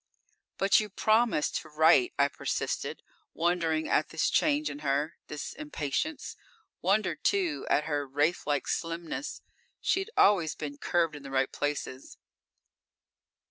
"But you promised to write," I persisted, wondering at this change in her, this impatience. Wondered, too, at her wraithlike slimness. She'd always been curved in the right places.